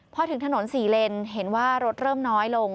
พอถึงถนน๔เลนเห็นว่ารถเริ่มน้อยลง